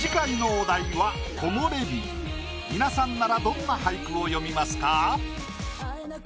皆さんならどんな俳句を詠みますか？